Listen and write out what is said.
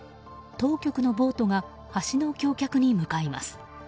当局のボートが橋の橋脚に向かいます。